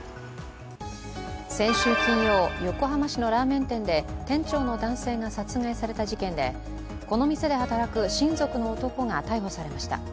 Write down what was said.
先週金曜、横浜市のラーメン店で店長の男性が殺害された事件でこの店で働く親族の男が逮捕されました。